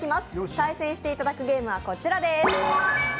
対戦していただくゲームはこちらです。